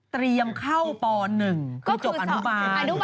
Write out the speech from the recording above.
จึงจบอันทุบาล